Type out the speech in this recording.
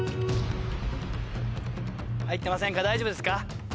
入ってませんか大丈夫ですか？